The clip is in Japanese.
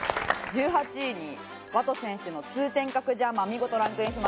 １８位にワト選手の通天閣ジャーマン見事ランクインしました。